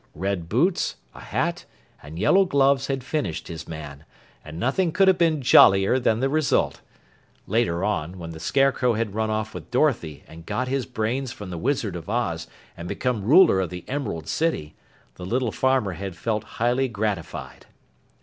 Red boots, a hat, and yellow gloves had finished his man and nothing could have been jollier than the result. Later on, when the Scarecrow had run off with Dorothy and got his brains from the Wizard of Oz and become ruler of the Emerald City, the little farmer had felt highly gratified.